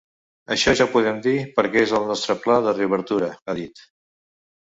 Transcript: “Això ja ho podem dir perquè és al nostre pla de reobertura”, ha dit.